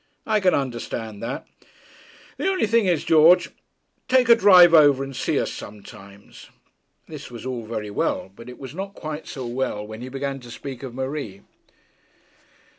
I can understand that. The only thing is, George, take a drive over, and see us sometimes.' This was all very well, but it was not quite so well when he began to speak of Marie.